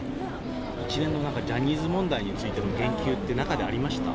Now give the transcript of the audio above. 一連のジャニーズ問題についての言及って中でありました？